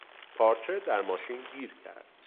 پارچه در ماشین گیر کرد.